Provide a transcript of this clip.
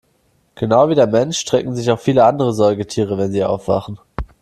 Genau wie der Mensch strecken sich auch viele andere Säugetiere, wenn sie aufwachen.